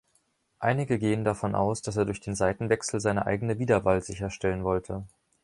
Einige gehen davon aus, dass er durch den Seitenwechsel seine eigene Wiederwahl sicherstellen wollte.